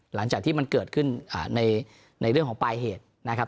หลังจากที่มันเกิดขึ้นในเรื่องของปลายเหตุนะครับ